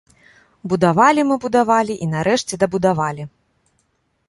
Будавалі мы будавалі, і, нарэшце дабудавалі.